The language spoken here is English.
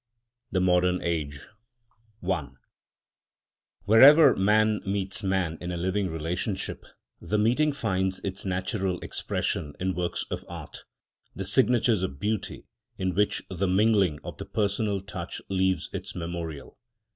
THE MODERN AGE I Wherever man meets man in a living relationship, the meeting finds its natural expression in works of art, the signatures of beauty, in which the mingling of the personal touch leaves its memorial.